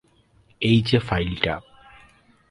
এই যে ফাইলটা।